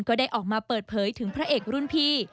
ก็ได้ออกมาเปิดเผยถึงพระเอกรุ่นพี่